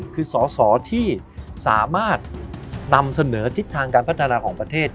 คือสอสอที่สามารถนำเสนอทิศทางการพัฒนาของประเทศ